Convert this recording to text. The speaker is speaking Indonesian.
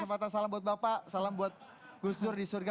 selamatan salam buat bapak salam buat gus dur di surga